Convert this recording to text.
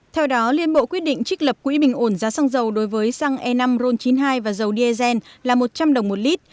theo đó liên bộ quyết định trích lập quỹ bình ổn giá xăng dầu đối với xăng e năm ron chín mươi hai và dầu diesel là một trăm linh đồng một lít